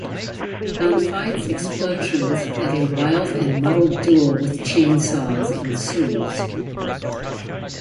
Gun fights, explosions, and a wild and muddled duel with chainsaws ensues.